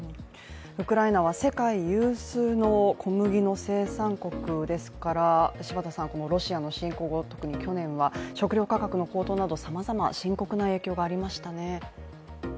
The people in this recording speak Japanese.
ウクライナは世界有数の小麦の生産国ですからロシアの侵攻後、特に去年は食料価格の高騰などさまざまな深刻な影響がありましたね。